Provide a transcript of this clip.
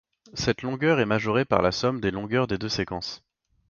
Cette longueur est majorée par la somme des longueurs des deux séquences.